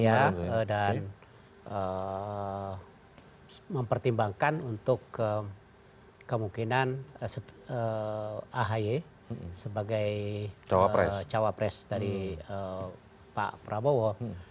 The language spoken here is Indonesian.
ya dan mempertimbangkan untuk kemungkinan ahy sebagai cawapres dari pak prabowo